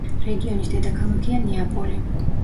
რეგიონის დედაქალაქია ნეაპოლი.